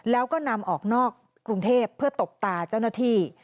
แล้วก็นำออกนอกกรุงเทพเพื่อตบตาเจ้าหน้าที่